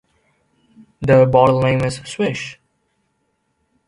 The bottle name is Swish.